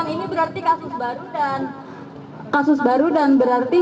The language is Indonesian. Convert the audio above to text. ini berarti kasus baru dan berarti